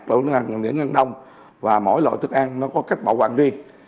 để tủ lạnh ngăn đông và mỗi loại thức ăn nó có cách bảo quản riêng